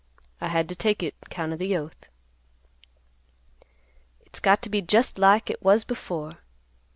I had to take it 'count of the oath. "It's got to be just like it was before.